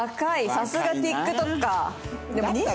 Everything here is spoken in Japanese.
さすがＴｉｋＴｏｋｅｒ。